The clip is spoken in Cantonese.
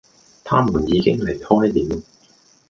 他們已經離開了